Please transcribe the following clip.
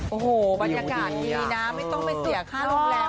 โอ้โหบรรยากาศดีนะไม่ต้องไปเสียค่าโรงแรม